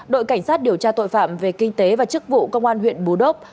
đội cảnh sát điều tra tội phạm về kinh tế và chức vụ công an huyện bù đốc